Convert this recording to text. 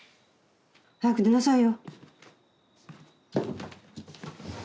早く寝なさいよ。